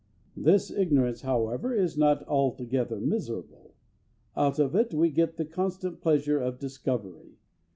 This ignorance, however, is not altogether miserable. Out of it we get the constant pleasure of discovery.